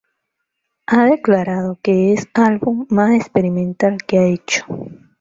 Ha declarado que es álbum más experimental que ha hecho.